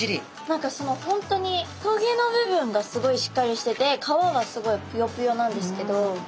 何かその本当に棘の部分がすごいしっかりしてて皮はすごいプヨプヨなんですけど。